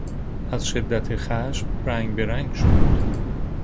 از شدت خشم رنگ بهرنگ شد.